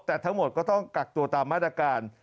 แต่ทั้งหมดก็ต้องกักตัวตามมาตรการ